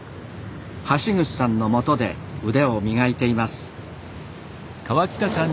橋口さんのもとで腕を磨いています。